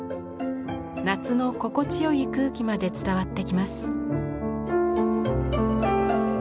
夏の心地よい空気まで伝わってきます。